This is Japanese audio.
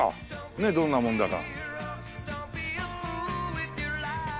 ねえどんなもんだか。